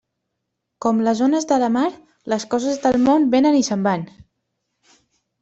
Com les ones de la mar, les coses del món vénen i se'n van.